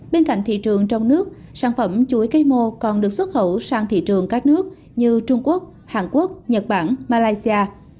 bên cạnh thị trường trong nước sản phẩm chuối cây mô còn được xuất khẩu sang thị trường các nước như trung quốc hàn quốc nhật bản malaysia